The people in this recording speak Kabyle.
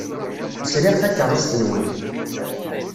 Sriɣ takeṛṛust-nwent.